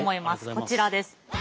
こちらです。